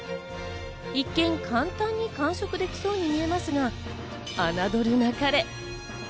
一見、簡単に完食できそうに見えますが、侮るなかれ。